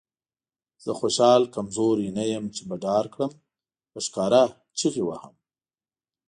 زه خوشحال کمزوری نه یم چې به ډار کړم. په ښکاره چیغې وهم.